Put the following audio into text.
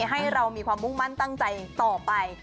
ให้เรามีความมุ่งมั่นตั้งใจต่อไป